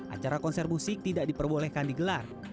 acara konser musik tidak diperbolehkan digelar